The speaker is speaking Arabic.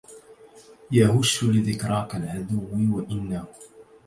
يهش لذكراك العدو وإنه